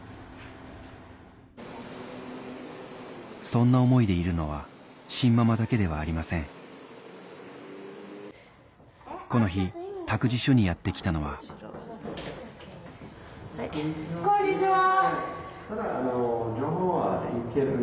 そんな思いでいるのはシンママだけではありませんこの日託児所にやって来たのはこんにちは！